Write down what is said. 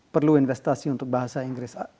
perlu investasi untuk bahasa inggris